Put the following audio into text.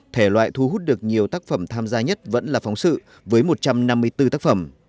thể loại thu hút được nhiều tác phẩm tham gia nhất vẫn là phóng sự với một trăm năm mươi bốn tác phẩm